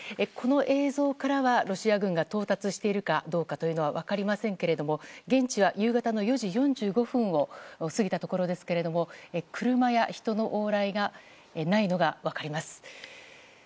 この映像からはロシア軍が到達しているかどうかは分かりませんけれども現地は夕方の４時４５分を過ぎたところですが車や人の往来がないのが分かります。